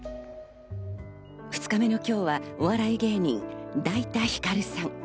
２日目の今日はお笑い芸人・だいたひかるさん。